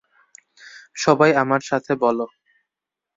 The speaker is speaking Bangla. সবাই আমার সাথে বলো।